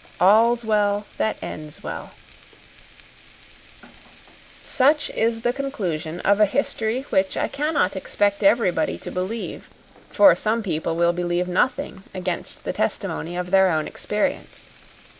ALL'S WELL THAT ENDS WELL Such is the conclusion of a history which I cannot expect everybody to believe, for some people will believe nothing against the testimony of their own experience.